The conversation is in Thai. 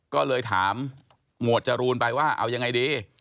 ก็เลยถามหมวดจรูนไปว่าเอายังไงดี